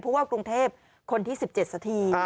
เพราะว่ากรุงเทพคนที่๑๗สักที